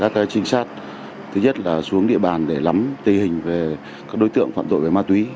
các trinh sát thứ nhất là xuống địa bàn để lắm tình hình về các đối tượng phạm tội về ma túy